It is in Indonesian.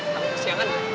sampai besi siang kan